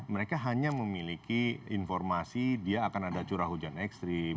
mereka hanya memiliki informasi dia akan ada curah hujan ekstrim